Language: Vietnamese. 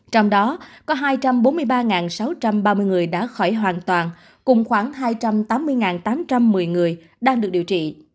trong đó có hai trăm bốn mươi ba sáu trăm ba mươi người đã khỏi hoàn toàn cùng khoảng hai trăm tám mươi tám trăm một mươi người đang được điều trị